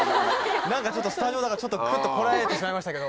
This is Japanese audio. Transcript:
なんかちょっとスタジオだから、ちょっとぐっとこらえてしまいましたけど。